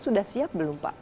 sudah siap belum pak